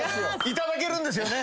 いただけるんですよね？